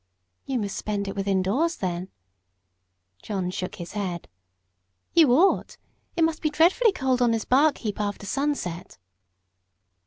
"You must spend it within doors then." John shook his head. "You ought; it must be dreadfully cold on this bark heap after sunset."